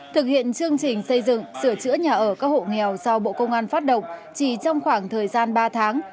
thực hiện chương trình xây dựng sửa chữa nhà ở các hộ nghèo do bộ công an phát động chỉ trong khoảng thời gian ba tháng